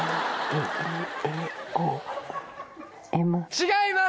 違います！